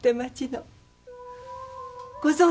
ご存じ？